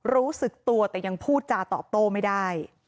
รู้สึกตัวแต่ยังพูดจาตอบโต้ไม่ได้